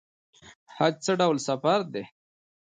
حج څه ډول سفر دی؟